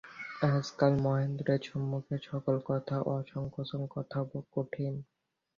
আজকাল মহেন্দ্রের সম্মুখে সকল কথা অসংকোচে বলা কঠিন।